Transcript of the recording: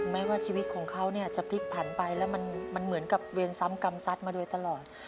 แม้ว่าชีวิตของเขาเนี่ยจะพลิกผันไปแล้วมันเหมือนกับเวรซ้ำกรรมสัตว์มาโดยตลอด